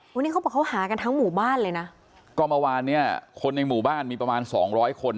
วันนี้เขาบอกว่าเขาหากันทั้งหมู่บ้านเลยนะก่อนมาวานเนี่ยคนในหมู่บ้านมีประมาณ๒๐๐คน